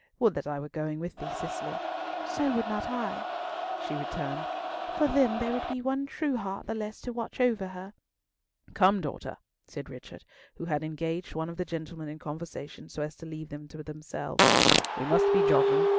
"Would that I were going with thee, Cicely!" "So would not I," she returned; "for then there would be one true heart the less to watch over her." "Come, daughter!" said Richard, who had engaged one of the gentlemen in conversation so as to leave them to themselves. "We must be jogging.